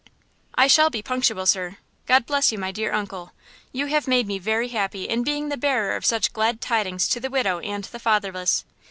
"I shall be punctual, sir. God bless you, my dear uncle. You have made me very happy in being the bearer of such glad tidings to the widow and the fatherless.